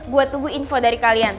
buat tunggu info dari kalian